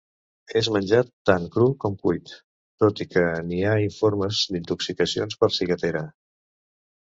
És menjat tant cru com cuit, tot i que n'hi ha informes d'intoxicacions per ciguatera.